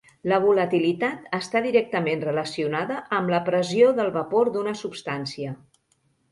La volatilitat està directament relacionada amb la pressió del vapor d'una substància.